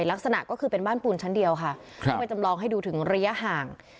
ลักษณะก็คือเป็นบ้านปูนชั้นเดียวค่ะต้องไปจำลองให้ดูถึงระยะห่าง